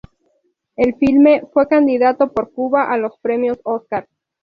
El filme fue candidato por Cuba a los Premios Óscar.